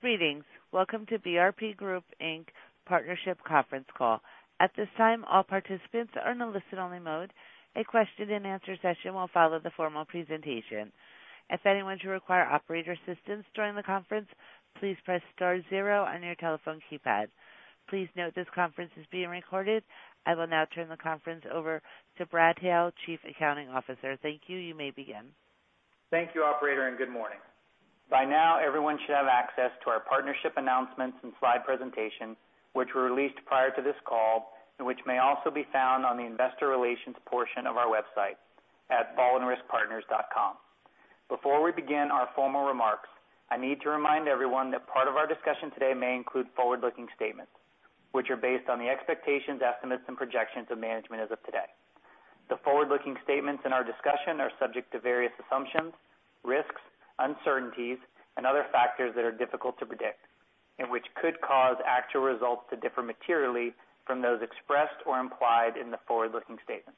Greetings. Welcome to BRP Group, Inc. partnership conference call. At this time, all participants are in a listen-only mode. A question and answer session will follow the formal presentation. If anyone should require operator assistance during the conference, please press star zero on your telephone keypad. Please note this conference is being recorded. I will now turn the conference over to Brad Hale, Chief Accounting Officer. Thank you. You may begin. Thank you, operator, and good morning. By now everyone should have access to our partnership announcements and slide presentation, which were released prior to this call and which may also be found on the investor relations portion of our website at baldwinriskpartners.com. Before we begin our formal remarks, I need to remind everyone that part of our discussion today may include forward-looking statements, which are based on the expectations, estimates, and projections of management as of today. The forward-looking statements in our discussion are subject to various assumptions, risks, uncertainties, and other factors that are difficult to predict and which could cause actual results to differ materially from those expressed or implied in the forward-looking statements.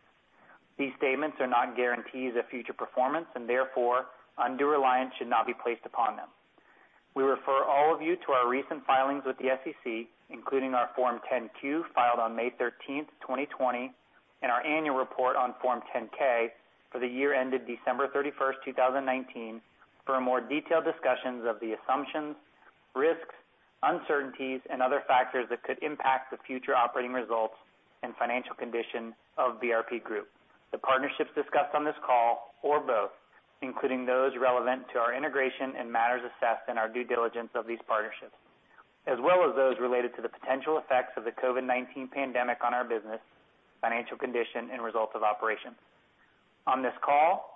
These statements are not guarantees of future performance, and therefore undue reliance should not be placed upon them. We refer all of you to our recent filings with the SEC, including our Form 10-Q filed on May 13, 2020, and our annual report on Form 10-K for the year ended December 31, 2019, for more detailed discussions of the assumptions, risks, uncertainties, and other factors that could impact the future operating results and financial condition of BRP Group. The partnerships discussed on this call or both, including those relevant to our integration and matters assessed in our due diligence of these partnerships, as well as those related to the potential effects of the COVID-19 pandemic on our business, financial condition, and results of operations. On this call,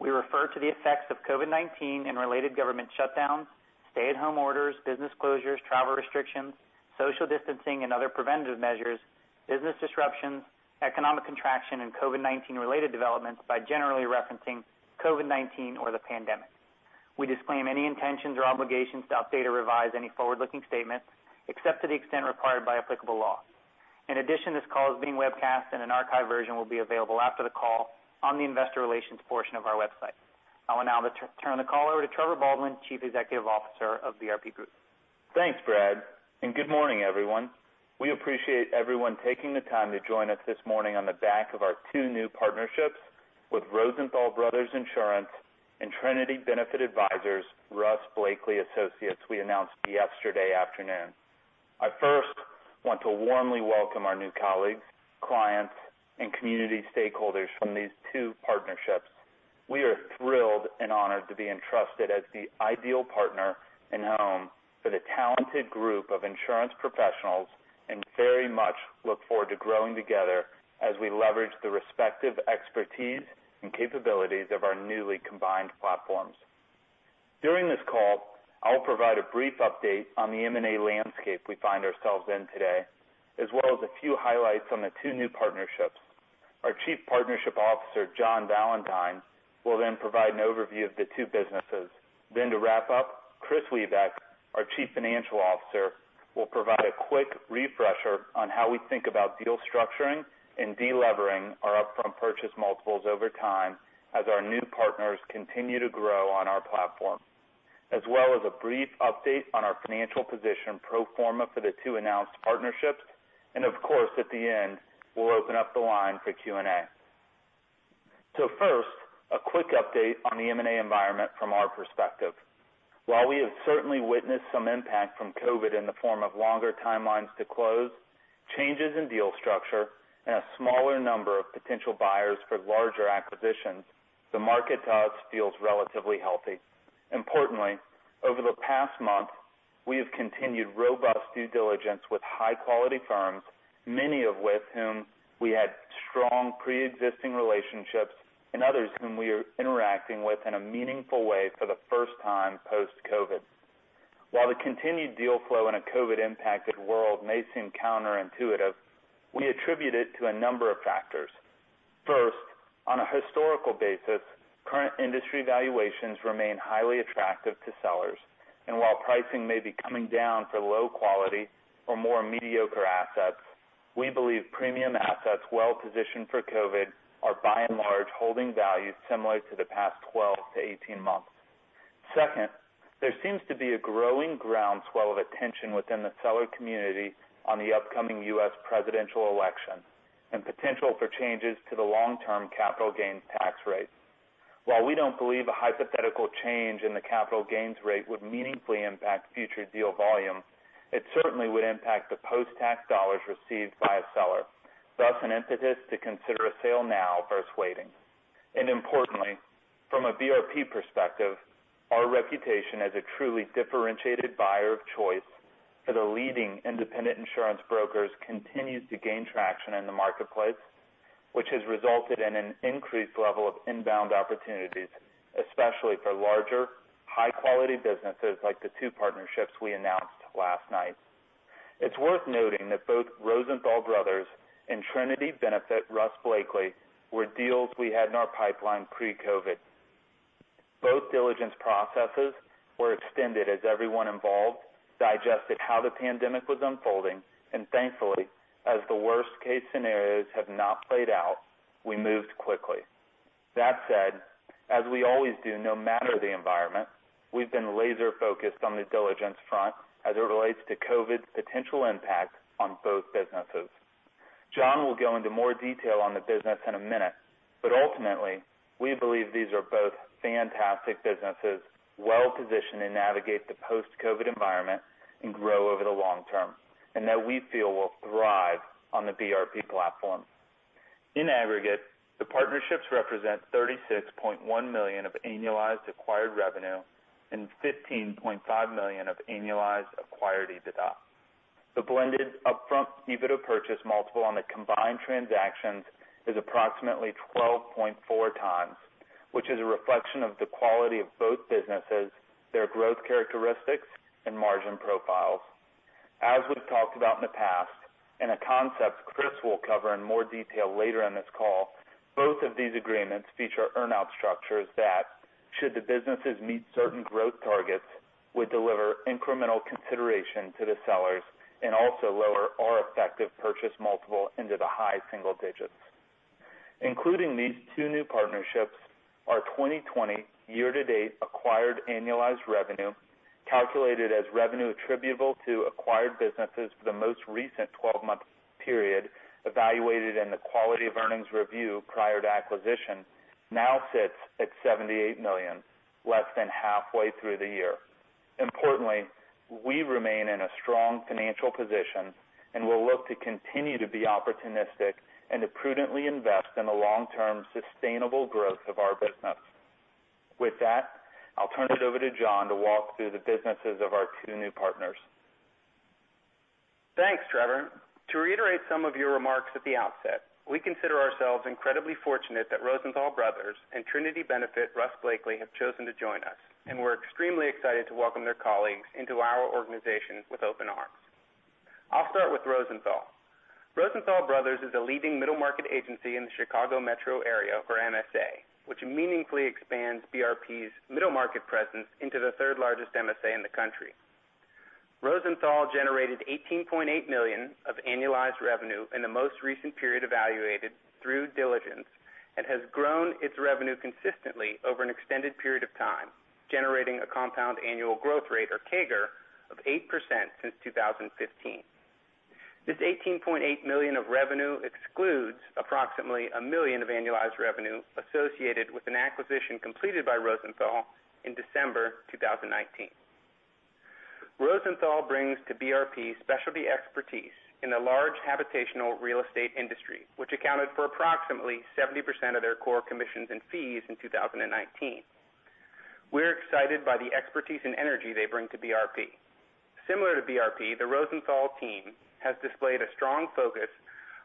we refer to the effects of COVID-19 and related government shutdowns, stay-at-home orders, business closures, travel restrictions, social distancing and other preventative measures, business disruptions, economic contraction, and COVID-19 related developments by generally referencing COVID-19 or the pandemic. We disclaim any intentions or obligations to update or revise any forward-looking statements, except to the extent required by applicable law. In addition, this call is being webcast and an archived version will be available after the call on the investor relations portion of our website. I will now turn the call over to Trevor Baldwin, Chief Executive Officer of BRP Group. Thanks, Brad. Good morning, everyone. We appreciate everyone taking the time to join us this morning on the back of our two new partnerships with Rosenthal Brothers and Trinity Benefit Advisors, Russ Blakely & Associates we announced yesterday afternoon. I first want to warmly welcome our new colleagues, clients, and community stakeholders from these two partnerships. We are thrilled and honored to be entrusted as the ideal partner and home for the talented group of insurance professionals. Very much look forward to growing together as we leverage the respective expertise and capabilities of our newly combined platforms. During this call, I'll provide a brief update on the M&A landscape we find ourselves in today, as well as a few highlights on the two new partnerships. Our Chief Partnership Officer, John Valentine, will provide an overview of the two businesses. To wrap up, Kris Wiebeck, our Chief Financial Officer, will provide a quick refresher on how we think about deal structuring and de-levering our upfront purchase multiples over time as our new partners continue to grow on our platform, as well as a brief update on our financial position pro forma for the two announced partnerships. Of course, at the end, we'll open up the line for Q&A. First, a quick update on the M&A environment from our perspective. While we have certainly witnessed some impact from COVID in the form of longer timelines to close, changes in deal structure, and a smaller number of potential buyers for larger acquisitions, the market to us feels relatively healthy. Importantly, over the past month, we have continued robust due diligence with high quality firms, many of with whom we had strong preexisting relationships and others whom we are interacting with in a meaningful way for the first time post-COVID. While the continued deal flow in a COVID impacted world may seem counterintuitive, we attribute it to a number of factors. First, on a historical basis, current industry valuations remain highly attractive to sellers. While pricing may be coming down for low quality or more mediocre assets, we believe premium assets well positioned for COVID are by and large holding value similar to the past 12-18 months. Second, there seems to be a growing groundswell of attention within the seller community on the upcoming U.S. presidential election and potential for changes to the long-term capital gains tax rate. While we don't believe a hypothetical change in the capital gains rate would meaningfully impact future deal volume, it certainly would impact the post-tax dollars received by a seller, thus an impetus to consider a sale now versus waiting. Importantly, from a BRP perspective, our reputation as a truly differentiated buyer of choice for the leading independent insurance brokers continues to gain traction in the marketplace, which has resulted in an increased level of inbound opportunities, especially for larger, high quality businesses like the two partnerships we announced last night. It's worth noting that both Rosenthal Brothers and Trinity Benefit, Russ Blakely & Associates, were deals we had in our pipeline pre-COVID. Both diligence processes were extended as everyone involved digested how the pandemic was unfolding. Thankfully, as the worst case scenarios have not played out, we moved quickly. That said, as we always do, no matter the environment, we've been laser-focused on the diligence front as it relates to COVID's potential impact on both businesses. John will go into more detail on the business in a minute, but ultimately, we believe these are both fantastic businesses, well-positioned to navigate the post-COVID environment and grow over the long term, and that we feel will thrive on the BRP platform. In aggregate, the partnerships represent $36.1 million of annualized acquired revenue and $15.5 million of annualized acquired EBITDA. The blended upfront EBITDA purchase multiple on the combined transactions is approximately 12.4x, which is a reflection of the quality of both businesses, their growth characteristics, and margin profiles. We've talked about in the past, and a concept Kris will cover in more detail later in this call, both of these agreements feature earn-out structures that, should the businesses meet certain growth targets, would deliver incremental consideration to the sellers and also lower our effective purchase multiple into the high single digits. Including these two new partnerships, our 2020 year-to-date acquired annualized revenue, calculated as revenue attributable to acquired businesses for the most recent 12-month period evaluated in the quality of earnings review prior to acquisition, now sits at $78 million, less than halfway through the year. Importantly, we remain in a strong financial position and will look to continue to be opportunistic and to prudently invest in the long-term sustainable growth of our business. With that, I'll turn it over to John to walk through the businesses of our two new partners. Thanks, Trevor. To reiterate some of your remarks at the outset, we consider ourselves incredibly fortunate that Rosenthal Brothers and Trinity Benefit/Russ Blakely have chosen to join us, and we're extremely excited to welcome their colleagues into our organization with open arms. I'll start with Rosenthal. Rosenthal Brothers is a leading middle market agency in the Chicago metro area for MSA, which meaningfully expands BRP's middle market presence into the third largest MSA in the country. Rosenthal generated $18.8 million of annualized revenue in the most recent period evaluated through diligence and has grown its revenue consistently over an extended period of time, generating a compound annual growth rate, or CAGR, of 8% since 2015. This $18.8 million of revenue excludes approximately $1 million of annualized revenue associated with an acquisition completed by Rosenthal in December 2019. Rosenthal brings to BRP specialty expertise in the large habitational real estate industry, which accounted for approximately 70% of their core commissions and fees in 2019. We're excited by the expertise and energy they bring to BRP. Similar to BRP, the Rosenthal team has displayed a strong focus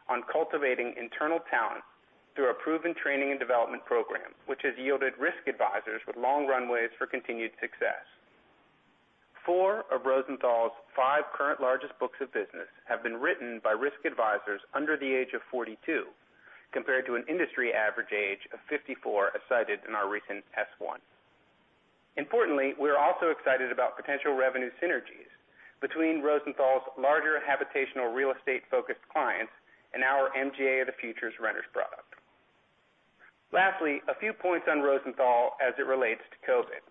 on cultivating internal talent through a proven training and development program, which has yielded risk advisors with long runways for continued success. Four of Rosenthal's five current largest books of business have been written by risk advisors under the age of 42, compared to an industry average age of 54, as cited in our recent S1. Importantly, we're also excited about potential revenue synergies between Rosenthal's larger habitational real estate focused clients and our MGA of the Future's renters product. Lastly, a few points on Rosenthal as it relates to COVID.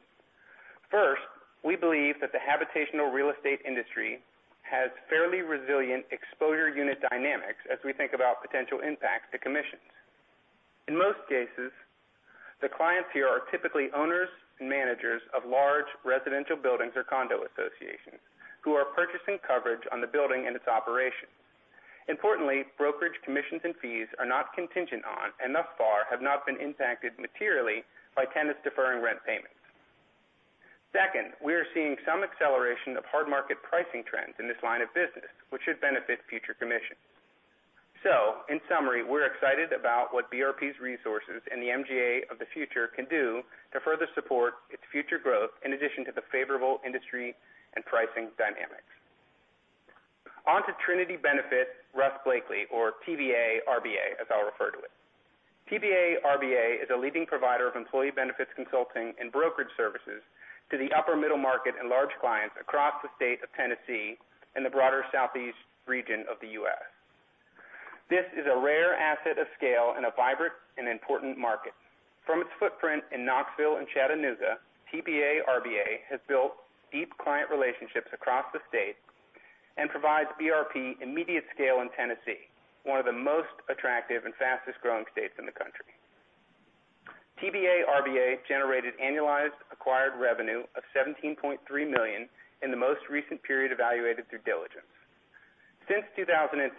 First, we believe that the habitational real estate industry has fairly resilient exposure unit dynamics as we think about potential impacts to commissions. In most cases, the clients here are typically owners and managers of large residential buildings or condo associations who are purchasing coverage on the building and its operations. Importantly, brokerage commissions and fees are not contingent on, and thus far have not been impacted materially by tenants deferring rent payments. Second, we are seeing some acceleration of hard market pricing trends in this line of business, which should benefit future commissions. In summary, we're excited about what BRP's resources and the MGA of the Future can do to further support its future growth in addition to the favorable industry and pricing dynamics. On to Trinity Benefit/Russ Blakely, or TBA-RBA, as I'll refer to it. TBA-RBA is a leading provider of employee benefits consulting and brokerage services to the upper middle market and large clients across the state of Tennessee and the broader Southeast region of the U.S. This is a rare asset of scale in a vibrant and important market. From its footprint in Knoxville and Chattanooga, TBA-RBA has built deep client relationships across the state and provides BRP immediate scale in Tennessee, one of the most attractive and fastest-growing states in the country. TBA-RBA generated annualized acquired revenue of $17.3 million in the most recent period evaluated through diligence. Since 2015,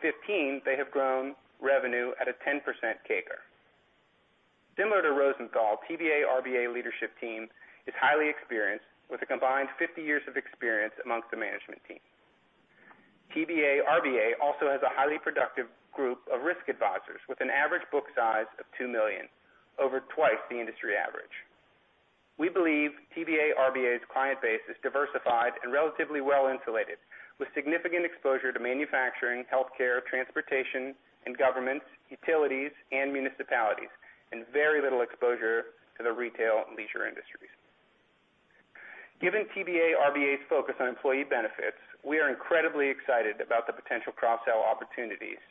they have grown revenue at a 10% CAGR. Similar to Rosenthal, TBA-RBA leadership team is highly experienced with a combined 50 years of experience amongst the management team. TBA-RBA also has a highly productive group of risk advisors with an average book size of $2 million, over twice the industry average. We believe TBA-RBA's client base is diversified and relatively well insulated, with significant exposure to manufacturing, healthcare, transportation and governments, utilities and municipalities, and very little exposure to the retail and leisure industries. Given TBA-RBA's focus on employee benefits, we are incredibly excited about the potential cross-sell opportunities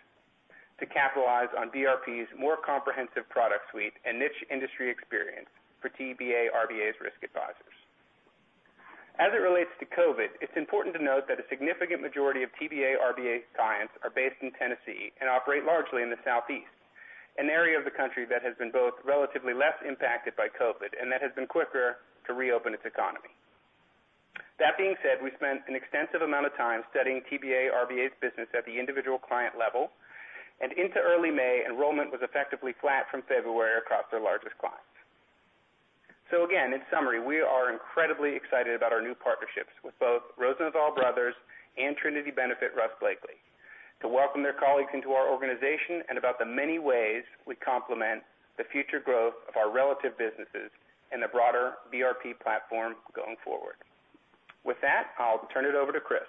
to capitalize on BRP's more comprehensive product suite and niche industry experience for TBA-RBA's risk advisors. As it relates to COVID, it's important to note that a significant majority of TBA-RBA's clients are based in Tennessee and operate largely in the Southeast, an area of the country that has been both relatively less impacted by COVID and that has been quicker to reopen its economy. That being said, we spent an extensive amount of time studying TBA-RBA's business at the individual client level, and into early May, enrollment was effectively flat from February across their largest clients. In summary, we are incredibly excited about our new partnerships with both Rosenthal Brothers and Trinity Benefit-Russ Blakely, to welcome their colleagues into our organization and about the many ways we complement the future growth of our relative businesses in the broader BRP platform going forward. With that, I'll turn it over to Kris.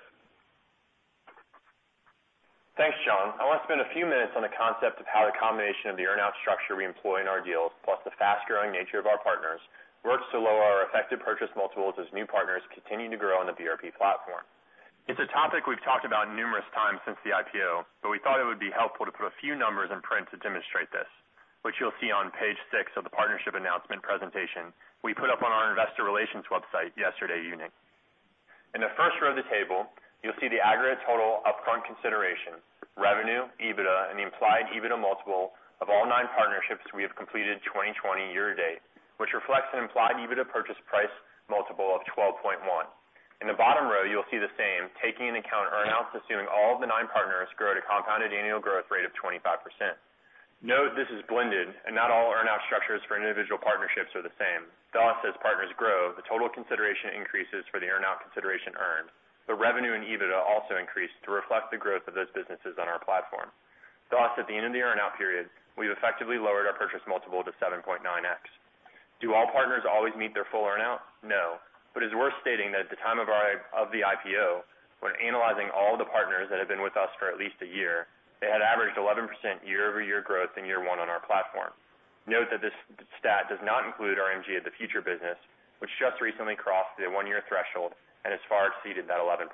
Thanks, John. I want to spend a few minutes on the concept of how the combination of the earn-out structure we employ in our deals, plus the fast-growing nature of our partners, works to lower our effective purchase multiples as new partners continue to grow on the BRP platform. It's a topic we've talked about numerous times since the IPO, but we thought it would be helpful to put a few numbers in print to demonstrate this, which you'll see on page six of the partnership announcement presentation we put up on our investor relations website yesterday evening. In the first row of the table, you'll see the aggregate total upfront consideration, revenue, EBITDA, and the implied EBITDA multiple of all nine partnerships we have completed 2020 year to date, which reflects an implied EBITDA purchase price multiple of 12.1. In the bottom row, you'll see the same, taking into account earn-outs, assuming all of the nine partners grow at a compounded annual growth rate of 25%. Note this is blended, and not all earn-out structures for individual partnerships are the same. Thus, as partners grow, the total consideration increases for the earn-out consideration earned. The revenue and EBITDA also increase to reflect the growth of those businesses on our platform. Thus, at the end of the earn-out period, we've effectively lowered our purchase multiple to 7.9x. Do all partners always meet their full earn-out? No. It's worth stating that at the time of the IPO, when analyzing all the partners that have been with us for at least a year, they had averaged 11% year-over-year growth in year one on our platform. Note that this stat does not include our MGA of the Future business, which just recently crossed the one-year threshold and has far exceeded that 11%.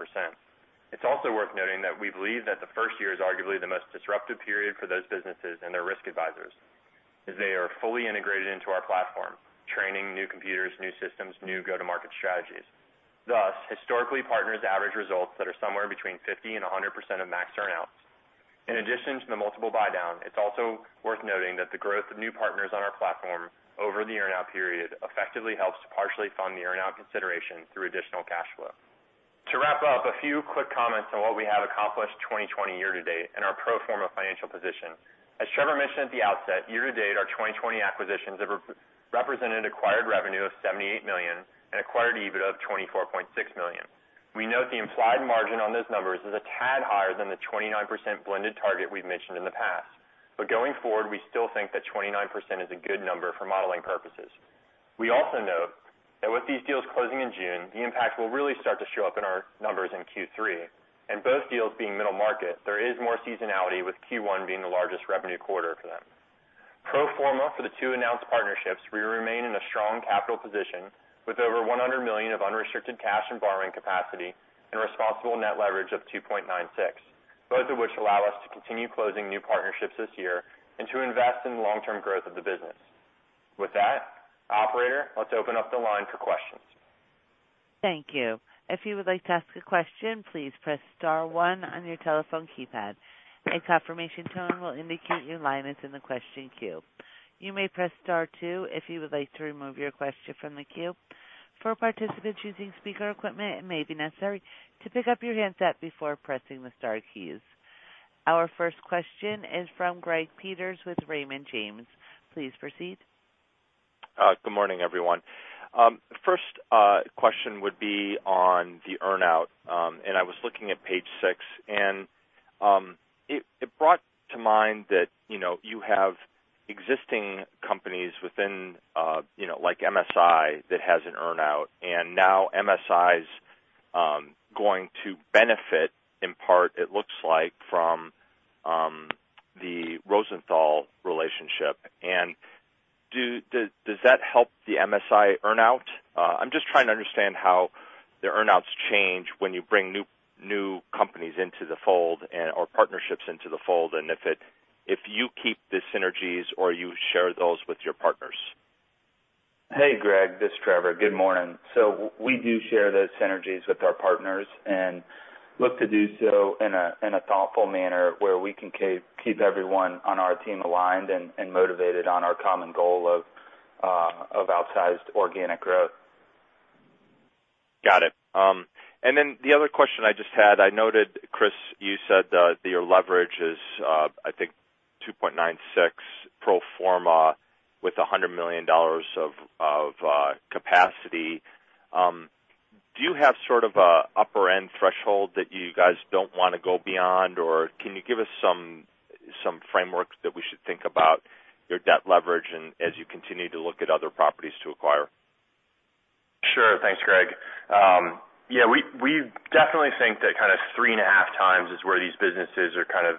It's also worth noting that we believe that the first year is arguably the most disruptive period for those businesses and their risk advisors, as they are fully integrated into our platform, training new computers, new systems, new go-to-market strategies. Thus, historically, partners average results that are somewhere between 50% and 100% of max earn-outs. In addition to the multiple buy-down, it's also worth noting that the growth of new partners on our platform over the earn-out period effectively helps to partially fund the earn-out consideration through additional cash flow. To wrap up, a few quick comments on what we have accomplished 2020 year to date and our pro forma financial position. As Trevor mentioned at the outset, year-to-date, our 2020 acquisitions have represented acquired revenue of $78 million and acquired EBITDA of $24.6 million. We note the implied margin on those numbers is a tad higher than the 29% blended target we've mentioned in the past. Going forward, we still think that 29% is a good number for modeling purposes. We also note that with these deals closing in June, the impact will really start to show up in our numbers in Q3, and both deals being middle market, there is more seasonality, with Q1 being the largest revenue quarter for them. Pro forma for the two announced partnerships, we remain in a strong capital position with over $100 million of unrestricted cash and borrowing capacity and responsible net leverage of 2.96, both of which allow us to continue closing new partnerships this year and to invest in the long-term growth of the business. With that, operator, let's open up the line for questions. Thank you. If you would like to ask a question, please press star one on your telephone keypad. A confirmation tone will indicate your line is in the question queue. You may press star two if you would like to remove your question from the queue. For participants using speaker equipment, it may be necessary to pick up your handset before pressing the star keys. Our first question is from Greg Peters with Raymond James. Please proceed. Good morning, everyone. First question would be on the earn-out. I was looking at page six, and it brought to mind that you have existing companies within, like MSI, that has an earn-out, and now MSI's going to benefit in part, it looks like, from the Rosenthal relationship. Does that help the MSI earn-out? I'm just trying to understand how the earn-outs change when you bring new companies into the fold or partnerships into the fold, and if you keep the synergies or you share those with your partners. Hey, Greg. This is Trevor. Good morning. We do share those synergies with our partners and look to do so in a thoughtful manner where we can keep everyone on our team aligned and motivated on our common goal of outsized organic growth. Got it. The other question I just had, I noted, Kris, you said that your leverage is, I think, 2.96 pro forma with $100 million of capacity. Do you have sort of an upper-end threshold that you guys don't want to go beyond, or can you give us some framework that we should think about your debt leverage as you continue to look at other properties to acquire? Sure. Thanks, Greg. We definitely think that kind of three and a half times is where these businesses are kind of.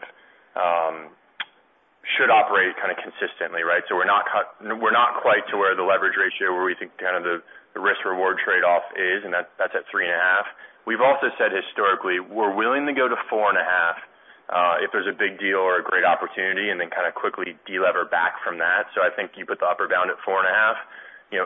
Should operate kind of consistently, right? We're not quite to where the leverage ratio, where we think kind of the risk-reward trade-off is, and that's at three and a half. We've also said historically, we're willing to go to four and a half, if there's a big deal or a great opportunity, and then kind of quickly de-lever back from that. I think you put the upper bound at four and a half.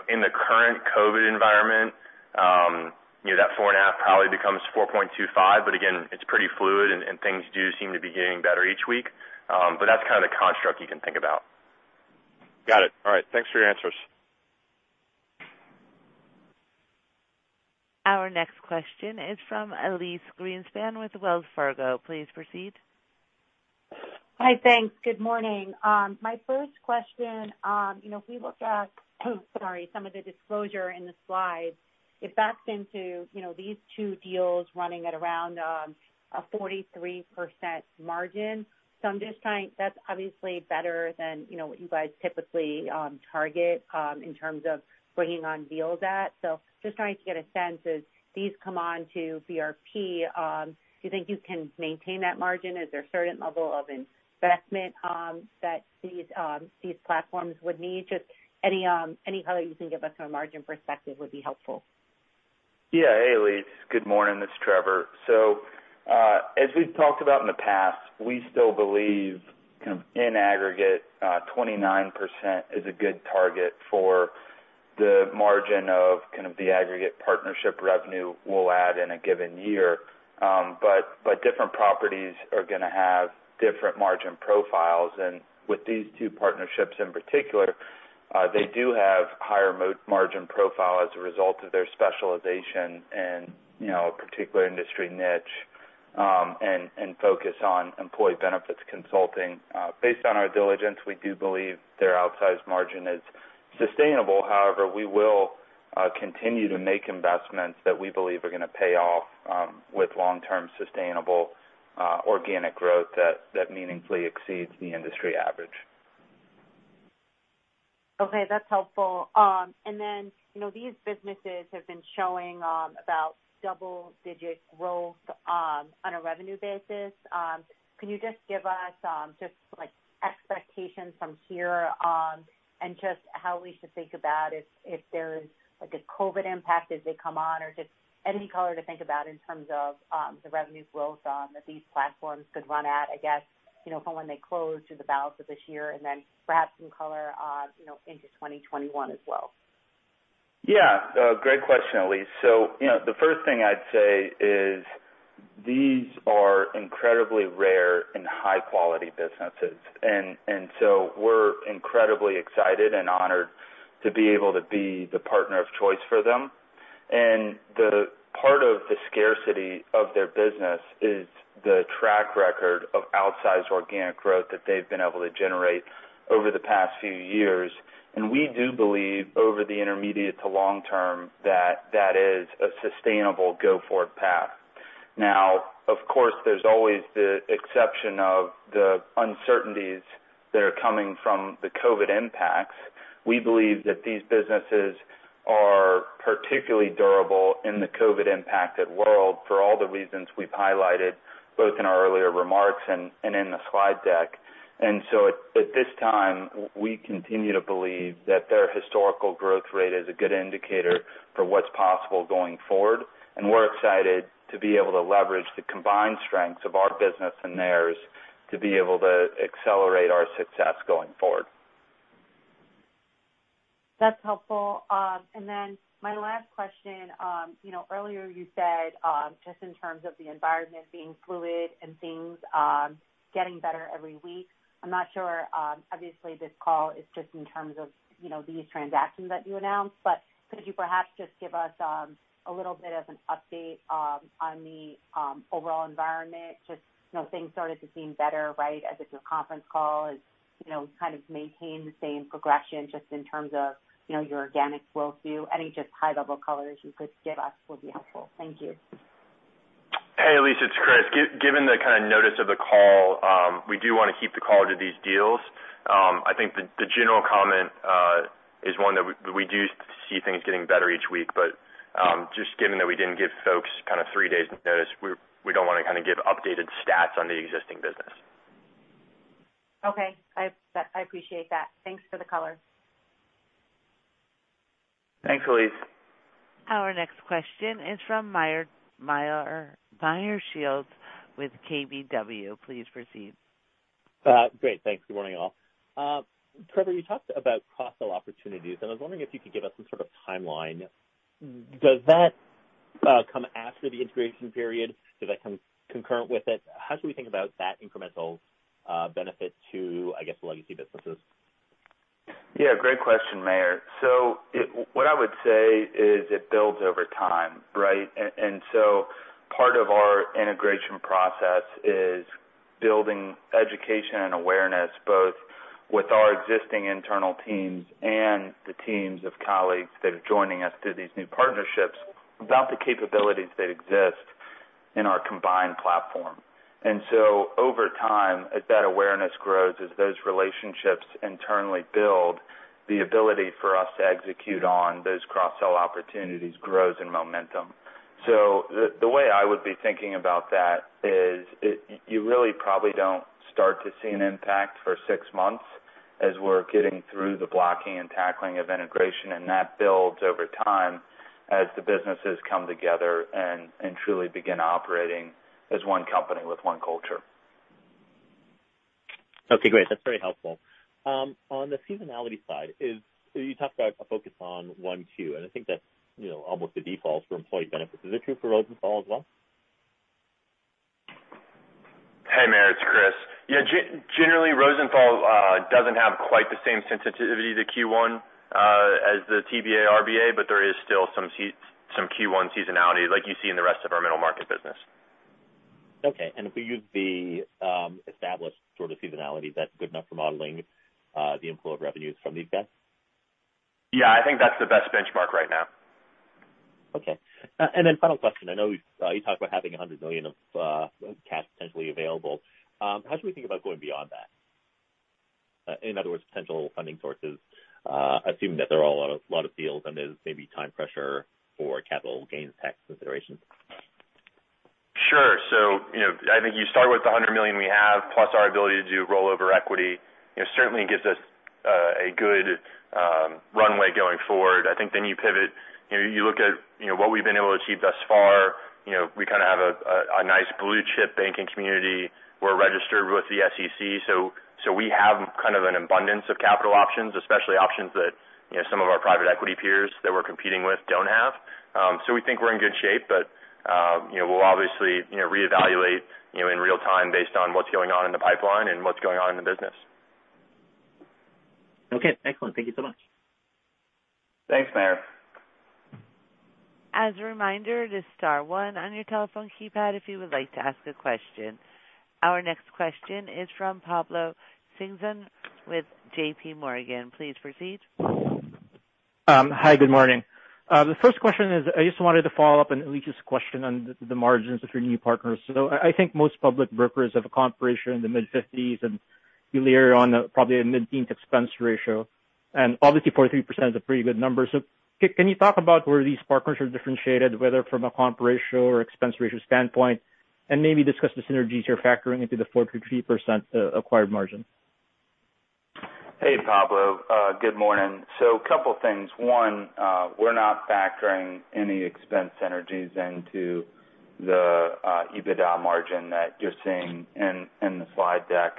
In the current COVID environment, that four and a half probably becomes 4.25, again, it's pretty fluid and things do seem to be getting better each week. That's kind of the construct you can think about. Got it. All right. Thanks for your answers. Our next question is from Elyse Greenspan with Wells Fargo. Please proceed. Hi, thanks. Good morning. My first question, if we look at, sorry, some of the disclosure in the slides, if that's into these two deals running at around a 43% margin. That's obviously better than what you guys typically target, in terms of bringing on deals at. Just trying to get a sense as these come on to BRP, do you think you can maintain that margin? Is there a certain level of investment that these platforms would need? Just any color you can give us from a margin perspective would be helpful. Yeah. Hey, Elyse. Good morning. It's Trevor. As we've talked about in the past, we still believe in aggregate, 29% is a good target for the margin of kind of the aggregate partnership revenue we'll add in a given year. Different properties are gonna have different margin profiles, and with these two partnerships in particular, they do have higher margin profile as a result of their specialization and a particular industry niche, and focus on employee benefits consulting. Based on our diligence, we do believe their outsized margin is sustainable. However, we will continue to make investments that we believe are gonna pay off, with long-term sustainable organic growth that meaningfully exceeds the industry average. Okay, that's helpful. These businesses have been showing about double-digit growth on a revenue basis. Can you just give us just expectations from here? Just how we should think about if there's, like, a COVID impact as they come on or just any color to think about in terms of the revenue growth that these platforms could run at, I guess, from when they close through the balance of this year and then perhaps some color into 2021 as well. Yeah. Great question, Elyse. The first thing I'd say is these are incredibly rare and high-quality businesses. We're incredibly excited and honored to be able to be the partner of choice for them. The part of the scarcity of their business is the track record of outsized organic growth that they've been able to generate over the past few years. We do believe over the intermediate to long term that that is a sustainable go-forward path. Now, of course, there's always the exception of the uncertainties that are coming from the COVID impacts. We believe that these businesses are particularly durable in the COVID-impacted world for all the reasons we've highlighted, both in our earlier remarks and in the slide deck. At this time, we continue to believe that their historical growth rate is a good indicator for what's possible going forward. We're excited to be able to leverage the combined strengths of our business and theirs to be able to accelerate our success going forward. That's helpful. My last question, earlier you said, just in terms of the environment being fluid and things getting better every week. I'm not sure, obviously this call is just in terms of these transactions that you announced, but could you perhaps just give us a little bit of an update on the overall environment, just things started to seem better right as of your conference call, has kind of maintained the same progression just in terms of your organic growth view? Any just high-level color you could give us would be helpful. Thank you. Hey, Elyse, it's Kris. Given the kind of notice of the call, we do wanna keep the call to these deals. I think the general comment, is one that we do see things getting better each week, but just given that we didn't give folks kind of three days notice, we don't wanna give updated stats on the existing business. Okay. I appreciate that. Thanks for the color. Thanks, Elyse. Our next question is from Meyer Shields with KBW. Please proceed. Great. Thanks. Good morning, all. Trevor, you talked about cross-sell opportunities, I was wondering if you could give us some sort of timeline. Does that come after the integration period? Does that come concurrent with it? How should we think about that incremental benefit to, I guess, the legacy businesses? Yeah, great question, Meyer. What I would say is it builds over time, right? Part of our integration process is building education and awareness, both with our existing internal teams and the teams of colleagues that are joining us through these new partnerships about the capabilities that exist in our combined platform. Over time, as that awareness grows, as those relationships internally build, the ability for us to execute on those cross-sell opportunities grows in momentum. The way I would be thinking about that is you really probably don't start to see an impact for six months as we're getting through the blocking and tackling of integration, and that builds over time as the businesses come together and truly begin operating as one company with one culture. Okay, great. That's very helpful. On the seasonality side, you talked about a focus on one, two, and I think that's almost the default for employee benefits. Is it true for Rosenthal Brothers as well? Hey, Meyer, it's Kris. Yeah, generally, Rosenthal Brothers doesn't have quite the same sensitivity to Q1 as the TBA, RBA, there is still some Q1 seasonality like you see in the rest of our middle market business. Okay. If we use the established sort of seasonality, that's good enough for modeling the inflow of revenues from these guys? Yeah, I think that's the best benchmark right now. Okay. Final question. I know you talked about having $100 million of cash potentially available. How should we think about going beyond that? In other words, potential funding sources, assuming that there are a lot of deals and there's maybe time pressure for capital gains tax considerations. Sure. I think you start with the $100 million we have, plus our ability to do rollover equity. Certainly gives us a good runway going forward. I think you pivot, you look at what we've been able to achieve thus far. We kind of have a nice blue chip banking community. We're registered with the SEC, we have kind of an abundance of capital options, especially options that some of our private equity peers that we're competing with don't have. We think we're in good shape, but we'll obviously reevaluate in real time based on what's going on in the pipeline and what's going on in the business. Okay, excellent. Thank you so much. Thanks, Meyer. As a reminder, it is star one on your telephone keypad, if you would like to ask a question. Our next question is from Pablo Singzon with JPMorgan. Please proceed. Hi. Good morning. The first question is, I just wanted to follow up on Elyse's question on the margins of your new partners. I think most public brokers have a comp ratio in the mid 50s, and you layer on probably a mid-teens expense ratio, and obviously 43% is a pretty good number. Can you talk about where these partners are differentiated, whether from a comp ratio or expense ratio standpoint, and maybe discuss the synergies you're factoring into the 43% acquired margin? Pablo, good morning. A couple things. One, we're not factoring any expense synergies into the EBITDA margin that you're seeing in the slide deck.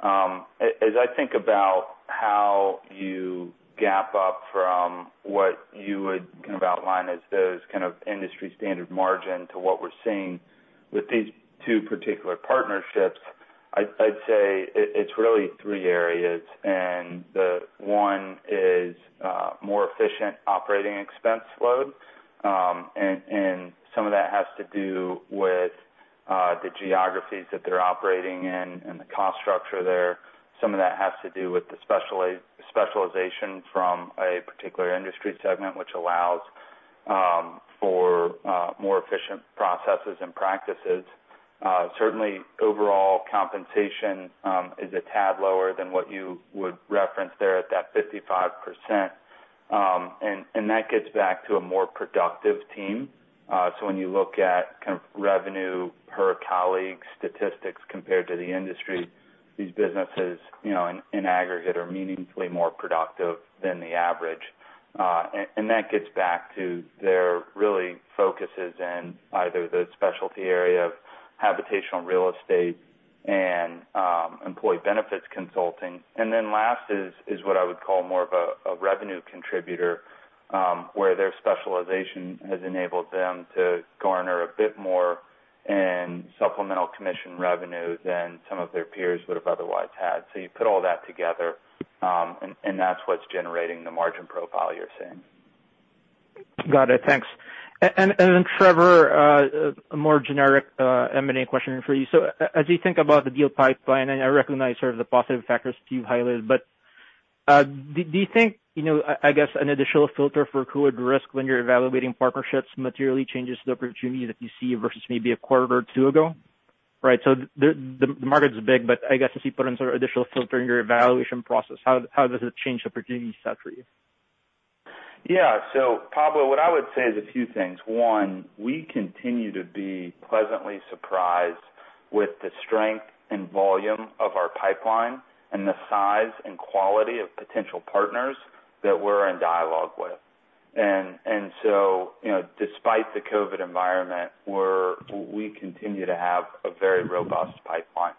I think about how you gap up from what you would kind of outline as those kind of industry standard margin to what we're seeing with these two particular partnerships, I'd say it's really three areas. One is more efficient operating expense load. Some of that has to do with the geographies that they're operating in and the cost structure there. Some of that has to do with the specialization from a particular industry segment, which allows for more efficient processes and practices. Certainly, overall compensation is a tad lower than what you would reference there at that 55%. That gets back to a more productive team. When you look at kind of revenue per colleague statistics compared to the industry, these businesses in aggregate are meaningfully more productive than the average. That gets back to their really focuses in either the specialty area of habitational real estate and employee benefits consulting. Last is what I would call more of a revenue contributor where their specialization has enabled them to garner a bit more in supplemental commission revenue than some of their peers would have otherwise had. You put all that together and that's what's generating the margin profile you're seeing. Got it. Thanks. Trevor, a more generic M&A question for you. As you think about the deal pipeline, I recognize sort of the positive factors you highlighted, but do you think, I guess an additional filter for accrued risk when you're evaluating partnerships materially changes the opportunity that you see versus maybe a quarter or two ago? Right. The market's big, but I guess as you put in sort of additional filter in your evaluation process, how does it change the opportunity set for you? Yeah. Pablo, what I would say is a few things. One, we continue to be pleasantly surprised with the strength and volume of our pipeline and the size and quality of potential partners that we're in dialogue with. Despite the COVID environment, we continue to have a very robust pipeline.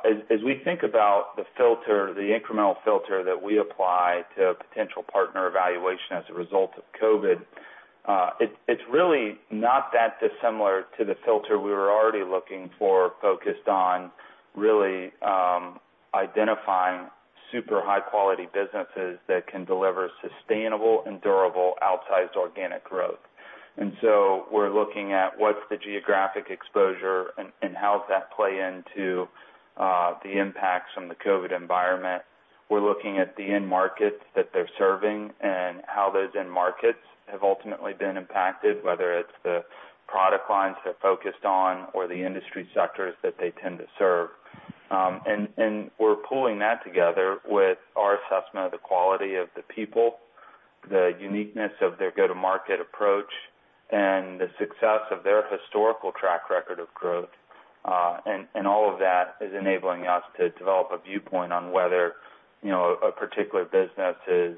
As we think about the filter, the incremental filter that we apply to potential partner evaluation as a result of COVID, it's really not that dissimilar to the filter we were already looking for, focused on really identifying super high quality businesses that can deliver sustainable and durable outsized organic growth. We're looking at what's the geographic exposure and how does that play into the impacts from the COVID environment. We're looking at the end markets that they're serving and how those end markets have ultimately been impacted, whether it's the product lines they're focused on or the industry sectors that they tend to serve. We're pooling that together with our assessment of the quality of the people, the uniqueness of their go-to-market approach, and the success of their historical track record of growth. All of that is enabling us to develop a viewpoint on whether a particular business is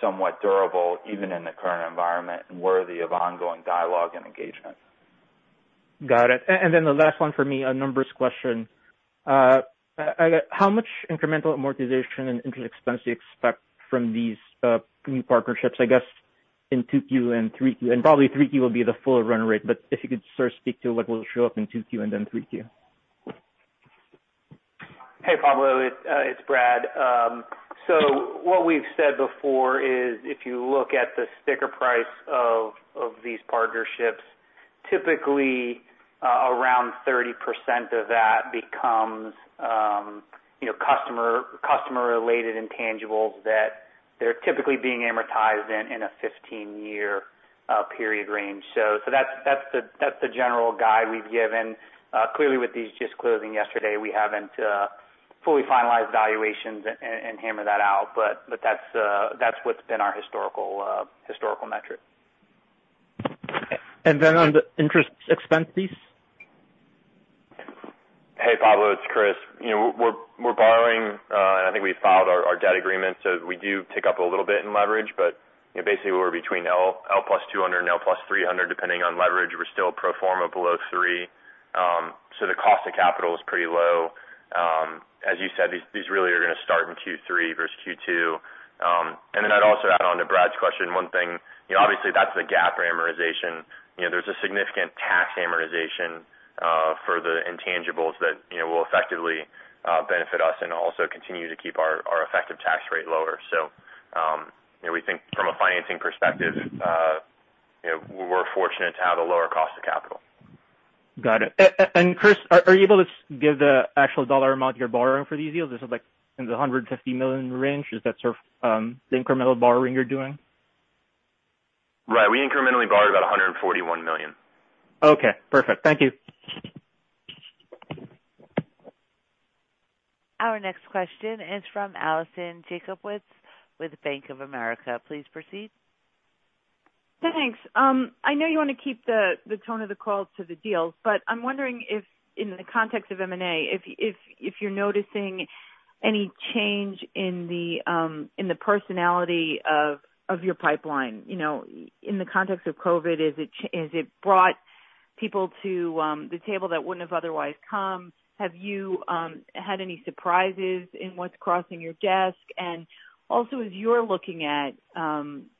somewhat durable, even in the current environment, and worthy of ongoing dialogue and engagement. Got it. Then the last one for me, a numbers question. How much incremental amortization and interest expense do you expect from these new partnerships, I guess, in 2Q and 3Q? Probably 3Q will be the full run rate, but if you could sort of speak to what will show up in 2Q and then 3Q. Hey, Pablo. It's Brad. What we've said before is, if you look at the sticker price of these partnerships, typically around 30% of that becomes customer-related intangibles that they're typically being amortized in a 15-year period range. That's the general guide we've given. Clearly, with these just closing yesterday, we haven't fully finalized valuations and hammered that out. That's what's been our historical metric. Then on the interest expense piece? Hey, Pablo, it's Kris. I think we filed our debt agreement. We do tick up a little bit in leverage, basically we're between L+200 and L+300, depending on leverage. We're still pro forma below three. The cost of capital is pretty low. As you said, these really are going to start in Q3 versus Q2. I'd also add on to Brad's question one thing. Obviously, that's the GAAP amortization. There's a significant tax amortization for the intangibles that will effectively benefit us and also continue to keep our effective tax rate lower. We think from a financing perspective, we're fortunate to have a lower cost of capital. Got it. Kris, are you able to give the actual dollar amount you're borrowing for these deals? Is it like in the $150 million range? Is that sort of the incremental borrowing you're doing? Right. We incrementally borrowed about $141 million. Okay, perfect. Thank you. Our next question is from Alison Jacobowitz with Bank of America. Please proceed. Thanks. I'm wondering if in the context of M&A, if you're noticing any change in the personality of your pipeline. In the context of COVID, has it brought people to the table that wouldn't have otherwise come? Have you had any surprises in what's crossing your desk? Also, as you're looking at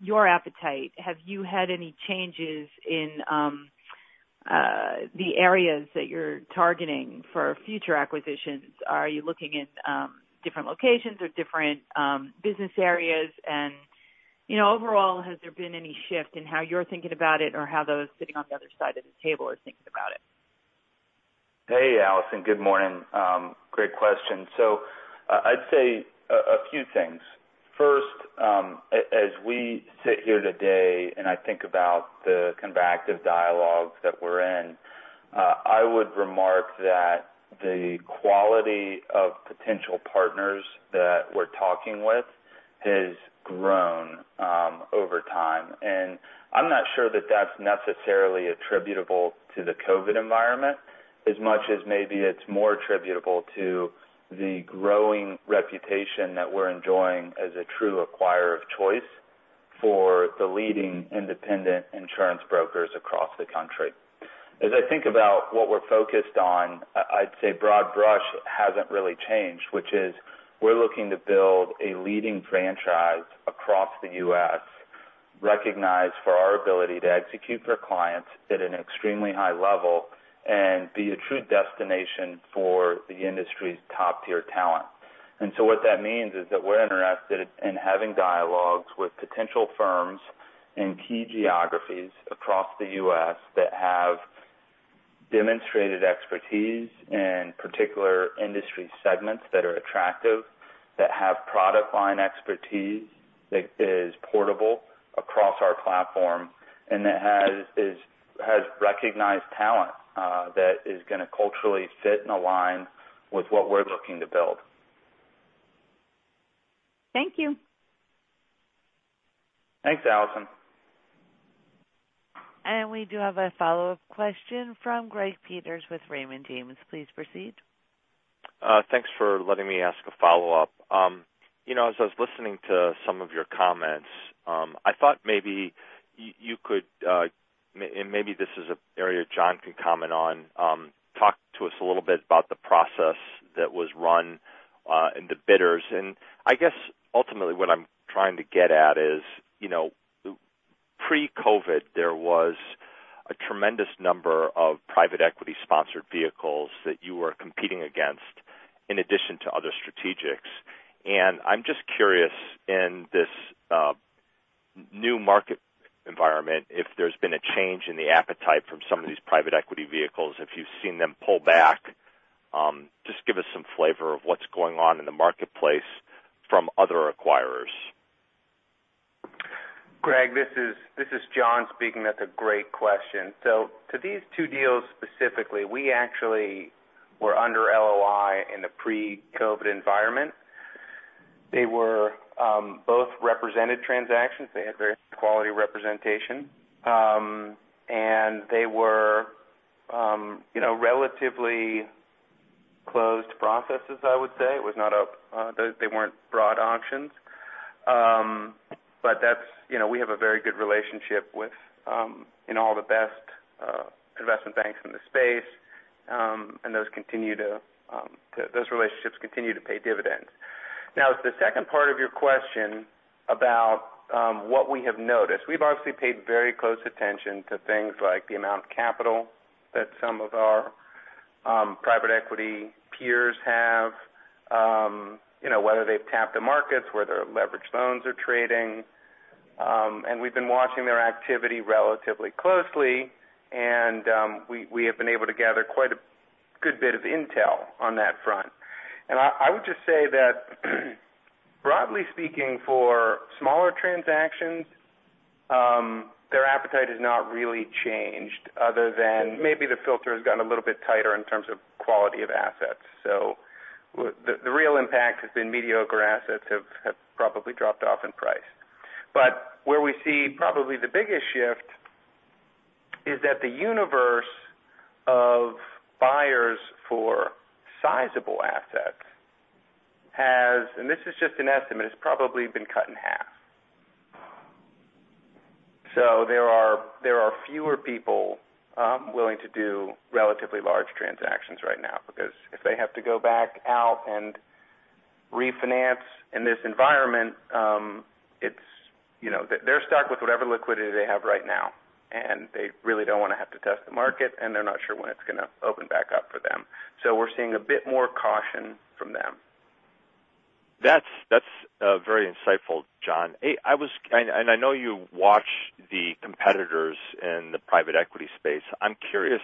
your appetite, have you had any changes in the areas that you're targeting for future acquisitions? Are you looking at different locations or different business areas? Overall, has there been any shift in how you're thinking about it or how those sitting on the other side of the table are thinking about it? Hey, Alison. Good morning. Great question. I'd say a few things. First, as we sit here today, I think about the kind of active dialogues that we're in, I would remark that the quality of potential partners that we're talking with has grown over time. I'm not sure that that's necessarily attributable to the COVID environment as much as maybe it's more attributable to the growing reputation that we're enjoying as a true acquirer of choice for the leading independent insurance brokers across the country. As I think about what we're focused on, I'd say broad brush hasn't really changed, which is we're looking to build a leading franchise across the U.S., recognized for our ability to execute for clients at an extremely high level and be a true destination for the industry's top-tier talent. What that means is that we're interested in having dialogues with potential firms in key geographies across the U.S. that have demonstrated expertise in particular industry segments that are attractive, that have product line expertise that is portable across our platform, and that has recognized talent that is going to culturally fit and align with what we're looking to build. Thank you. Thanks, Alison. We do have a follow-up question from Greg Peters with Raymond James. Please proceed. Thanks for letting me ask a follow-up. As I was listening to some of your comments, I thought maybe you could, and maybe this is an area John can comment on, talk to us a little bit about the process that was run and the bidders. I guess ultimately what I'm trying to get at is, pre-COVID, there was a tremendous number of private equity sponsored vehicles that you were competing against in addition to other strategics. I'm just curious in this new market environment, if there's been a change in the appetite from some of these private equity vehicles, if you've seen them pull back. Just give us some flavor of what's going on in the marketplace from other acquirers. Greg, this is John speaking. That's a great question. To these two deals specifically, we actually were under LOI in the pre-COVID environment. They were both represented transactions. They had very quality representation. They were relatively closed processes, I would say. They weren't broad auctions. We have a very good relationship with all the best investment banks in the space. Those relationships continue to pay dividends. Now, to the second part of your question about what we have noticed. We've obviously paid very close attention to things like the amount of capital that some of our private equity peers have, whether they've tapped the markets, where their leverage loans are trading. We've been watching their activity relatively closely. We have been able to gather quite a good bit of intel on that front. I would just say that broadly speaking, for smaller transactions, their appetite has not really changed other than maybe the filter has gotten a little bit tighter in terms of quality of assets. The real impact has been mediocre assets have probably dropped off in price. Where we see probably the biggest shift is that the universe of buyers for sizable assets has, and this is just an estimate, has probably been cut in half. There are fewer people willing to do relatively large transactions right now, because if they have to go back out and refinance in this environment, they're stuck with whatever liquidity they have right now, they really don't want to have to test the market, they're not sure when it's going to open back up for them. We're seeing a bit more caution from them. That's very insightful, John. I know you watch the competitors in the private equity space. I'm curious,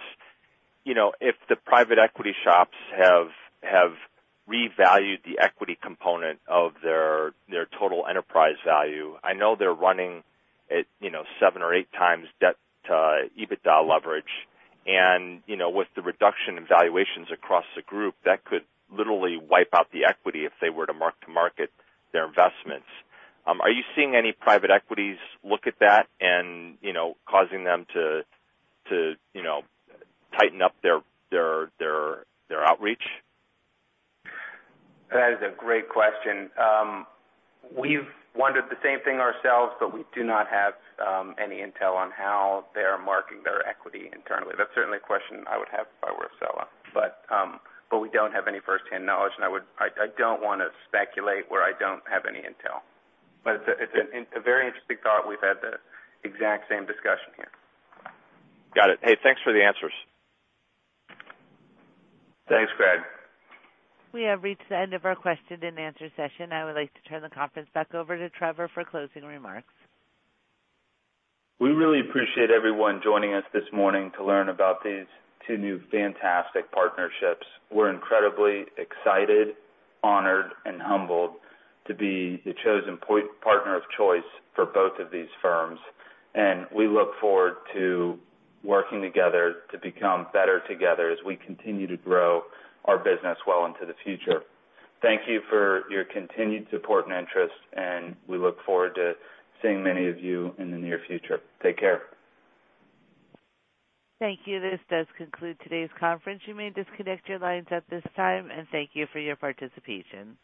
if the private equity shops have revalued the equity component of their total enterprise value. I know they're running at seven or eight times debt to EBITDA leverage. With the reduction in valuations across the group, that could literally wipe out the equity if they were to mark to market their investments. Are you seeing any private equities look at that and causing them to tighten up their outreach? That is a great question. We've wondered the same thing ourselves, we do not have any intel on how they are marking their equity internally. That's certainly a question I would have if I were a seller. We don't have any firsthand knowledge, I don't want to speculate where I don't have any intel. It's a very interesting thought. We've had the exact same discussion here. Got it. Hey, thanks for the answers. Thanks, Greg. We have reached the end of our question and answer session. I would like to turn the conference back over to Trevor for closing remarks. We really appreciate everyone joining us this morning to learn about these two new fantastic partnerships. We're incredibly excited, honored, and humbled to be the chosen partner of choice for both of these firms. We look forward to working together to become better together as we continue to grow our business well into the future. Thank you for your continued support and interest, and we look forward to seeing many of you in the near future. Take care. Thank you. This does conclude today's conference. You may disconnect your lines at this time, and thank you for your participation.